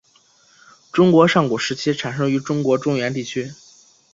中国上古时期产生于中国中原地区。